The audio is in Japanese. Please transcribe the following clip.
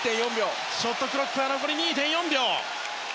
ショットクロックは残り２．４秒。